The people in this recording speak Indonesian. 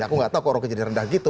aku gak tau kok roky jadi rendah gitu